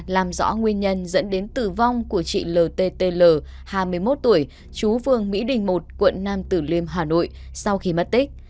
làm rõ nguyên nhân dẫn đến tử vong của chị ltl hai mươi một tuổi chú phường mỹ đình một quận nam tử liêm hà nội sau khi mất tích